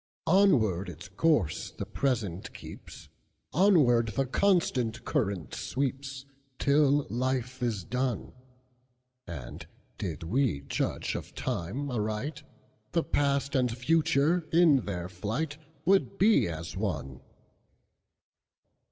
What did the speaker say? Onward its course the present keeps, Onward the constant current sweeps, Till life is done; And, did we judge of time aright, The past and future in their flightWould be as one.